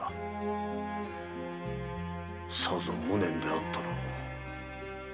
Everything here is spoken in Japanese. さぞ無念であったろう。